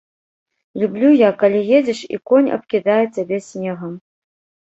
Люблю я, калі едзеш і конь абкідае цябе снегам.